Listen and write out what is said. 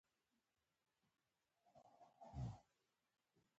مړه ته د نیک عملونو پایله غواړو